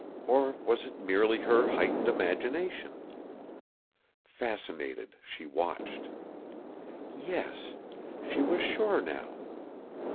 Or was it merely her heightened imagination? Fascinated, she watched. Yes, she was sure now.